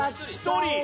１人！